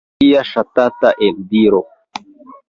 Via ŝatata eldiro?